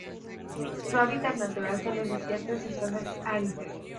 Su hábitat natural son los desiertos y zonas áridas.